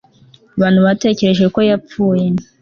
Abantu batekereje ko yapfuye